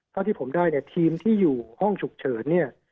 เท่าที่ผมได้เนี่ยทีมที่อยู่ห้องฉุกเฉินเนี่ย